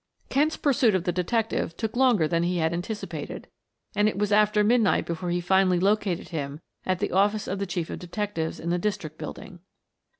Kent's pursuit of the detective took longer than he had anticipated, and it was after midnight before he finally located him at the office of the Chief of Detectives in the District Building.